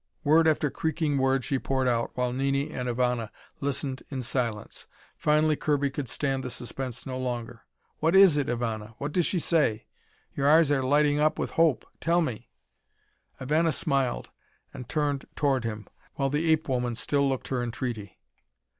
Word after creaking word she poured out while Nini and Ivana listened in silence. Finally Kirby could stand the suspense no longer. "What is it, Ivana? What does she say? Your eyes are lighting up with hope! Tell me " Ivana smiled and turned toward him, while the ape woman still looked her entreaty.